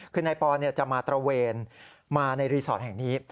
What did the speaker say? คือนายปอนจะมาตระเวนมาในรีสอร์ทแห่งนี้